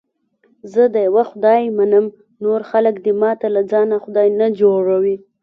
زه د یوه خدای منم، نور خلک دې ماته له ځانه خدای نه جوړي.